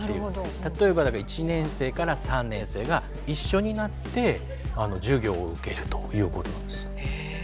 例えば１年生３年生が一緒になって授業を受けるということなんです。